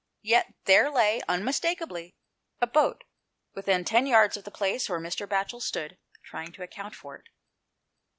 Yet there lay, unmistake ably, a boat, within ten yards of the place where Mr. Batchel stood trying to account for it.